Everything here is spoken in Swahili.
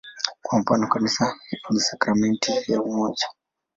Kwa mfano, "Kanisa ni sakramenti ya umoja".